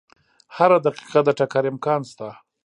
هره دقیقه د ټکر امکان شته.